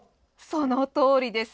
そのとおりです。